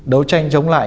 đấu tranh chống lại